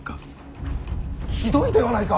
ひどいではないか。